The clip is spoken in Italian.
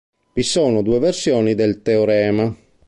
Vi sono due versioni del teorema.